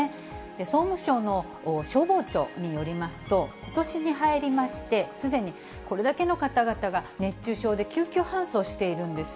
総務省の消防庁によりますと、ことしに入りまして、すでにこれだけの方々が熱中症で救急搬送しているんです。